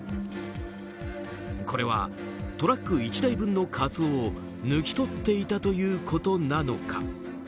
これはトラック１台分のカツオを抜き取っていたということなのか。